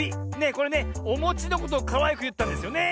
これねおもちのことをかわいくいったんですよね？